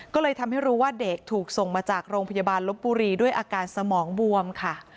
ก็เลยทำให้รู้ว่าเด็กถูกส่งมาจากโรงพยาบาลลบบุรีด้วยอาการสมองบวมค่ะ